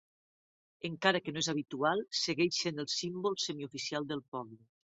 Encara que no és habitual, segueix sent el símbol semi-oficial del poble.